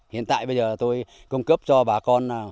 hiện tại bây giờ tôi cung cấp cho bà con